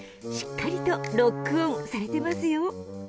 しっかりとロックオンされてますよ。